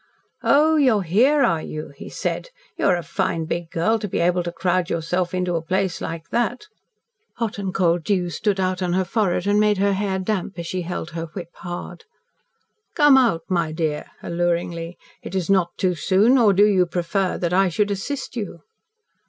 "Oh, you are here, are you?" he said. "You are a fine big girl to be able to crowd yourself into a place like that!" Hot and cold dew stood out on her forehead and made her hair damp as she held her whip hard. "Come out, my dear!" alluringly. "It is not too soon. Or do you prefer that I should assist you?"